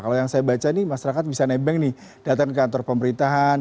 kalau yang saya baca nih masyarakat bisa nebeng nih datang ke kantor pemerintahan